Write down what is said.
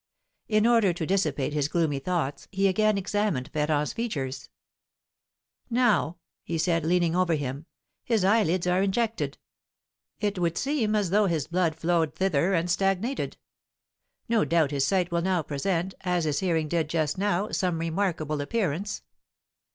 In order to dissipate his gloomy thoughts, he again examined Ferrand's features. "Now," he said, leaning over him, "his eyelids are injected. It would seem as though his blood flowed thither and stagnated. No doubt his sight will now present, as his hearing did just now, some remarkable appearance!